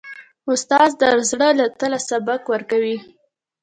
استاد د زړه له تله سبق ورکوي.